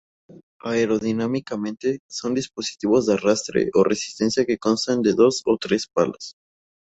Aerodinámicamente, son dispositivos de arrastre o resistencia que constan de dos o tres palas.